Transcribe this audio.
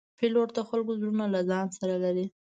پیلوټ د خلکو زړونه له ځان سره لري.